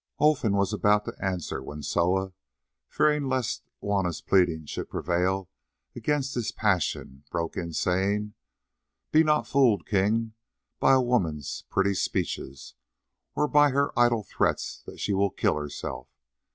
Olfan was about to answer when Soa, fearing lest Juanna's pleading should prevail against his passion, broke in saying, "Be not fooled, King, by a woman's pretty speeches, or by her idle threats that she will kill herself.